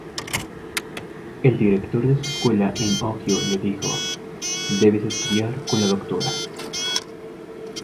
El director de su escuela en Ohio le dijo: "Debes estudiar con la Dra.